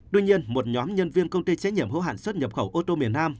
tuy nhiên một nhóm nhân viên công ty trách nhiệm hữu hạn xuất nhập khẩu ô tô miền nam